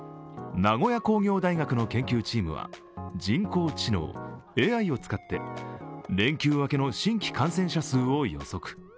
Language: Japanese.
名古屋工業大学の研究チームは人工知能＝ＡＩを使って連休明けの新規感染者数を予測。